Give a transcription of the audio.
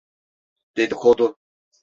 Dedikodu…